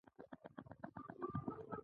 نجاري او نور کارونه هم د دوی په غاړه وو.